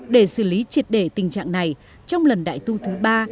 để xử lý triệt để tình trạng này trong lần đại tu thứ ba